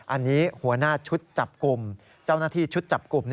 อันนี้หัวหน้าชุดจับกลุ่มเจ้าหน้าที่ชุดจับกลุ่ม